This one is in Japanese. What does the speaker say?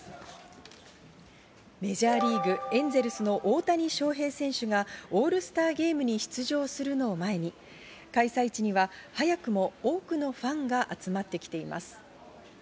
メジャーリーグ、エンゼルスの大谷翔平選手がオールスターゲームに出場するのを前に、開催地には早くも多くのファンが集まってきています。